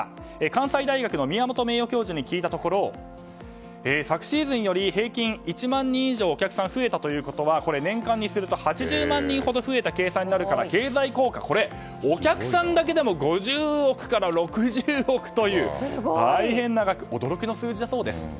関西大学の宮本名誉教授に聞いたところ昨シーズンより平均１万人以上お客さんが増えたことは年間にすると８０万人増えたという計算になるから経済効果、お客さんだけでも５０億から６０億という大変な額、驚きの数字だそうです。